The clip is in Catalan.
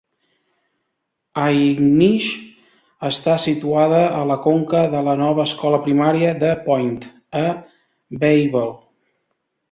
Aignish està situada a la conca de la nova escola primària de Point, a Bayble.